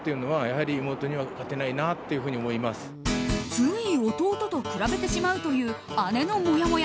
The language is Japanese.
つい弟と比べてしまうという姉のもやもや。